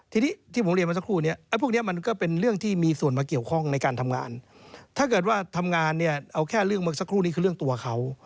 ทีนี้ที่ผมเรียนมาสักครู่เนี่ยไอ้พวกนี้มันก็เป็นเรื่องที่มีส่วนมาเกี่ยวข้องในการทำงานถ้าเกิดว่าทำงานเนี่ยเอาแค่เรื่องเมื่อสักครู่นี้คือเรื่องตัวเขา